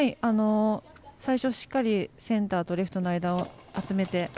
最初、しっかりセンターとレフトの間に集めて。